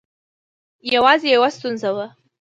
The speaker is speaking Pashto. یوازې یوه ستونزه وه.